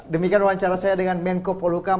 demikian wawancara saya dengan menko polukam